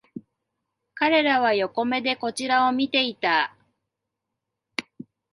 彼らは横目でこちらを見ていた